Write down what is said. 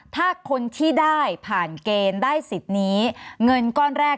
ถ้าคนที่ได้ผ่านเกณฑ์ได้สิทธิ์นี้เงินก้อนแรก